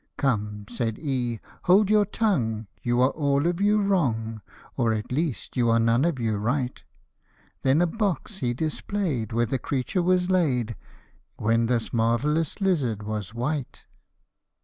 " Come," said E, "hold your tongue, you are all of you wrong, Or, at least, you are none of you right :" Then a box he display'd, where the creature was laid, When this marvellous lizard was white